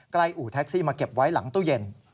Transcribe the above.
อู่แท็กซี่มาเก็บไว้หลังตู้เย็น